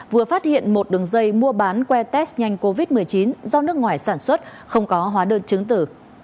vừa phát hiện một đường dây mua bán que test nhanh covid một mươi chín do nước ngoài sản xuất không có hóa đơn chứng tử